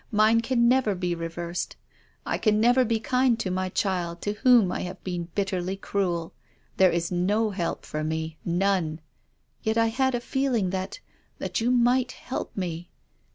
Mine can never be reversed. I can never be kind to my child to whom I have been bitterly cruel. There is no help for me, none. Yet I had a feeling that — that you might help me."